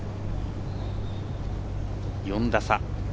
４打差。